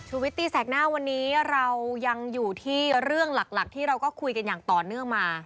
วิตตีแสกหน้าวันนี้เรายังอยู่ที่เรื่องหลักที่เราก็คุยกันอย่างต่อเนื่องมา